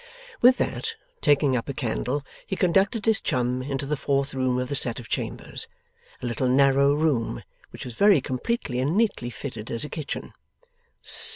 With that, taking up a candle, he conducted his chum into the fourth room of the set of chambers a little narrow room which was very completely and neatly fitted as a kitchen.